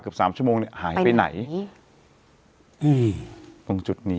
เกือบสามชั่วโมงเนี่ยอายไปไหนตรงจุดนี้